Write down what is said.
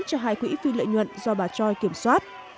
cho hai quỹ phi lợi nhuận do bà choi kiểm soát